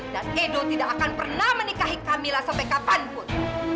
dan edo tidak akan pernah menikahi kamila sampai kapanpun